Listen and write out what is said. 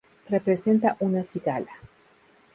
Representa una cigala.